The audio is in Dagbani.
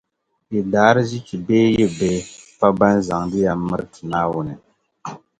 Yi daarzichi bee yi bihi pa ban zaŋdi ya miriti Naawuni.